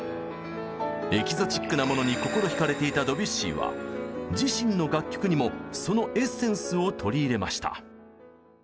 エキゾチックなものに心ひかれていたドビュッシーは自身の楽曲にもそのエッセンスを取り入れました。